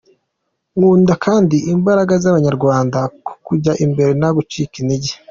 Nkunda kandi imbaraga z’Abanyarwanda zo kujya imbere nta gucika intege.